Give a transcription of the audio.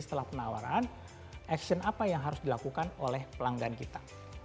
setelah penawaran action apa yang harus dilakukan oleh pelanggan kita